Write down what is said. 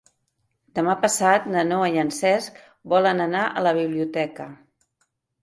Demà passat na Noa i en Cesc volen anar a la biblioteca.